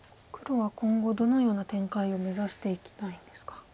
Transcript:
黒は今後どのような展開を目指していきたいんですか？